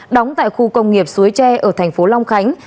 đóng tại khu công nghiệp suối tre ở thành phố long khánh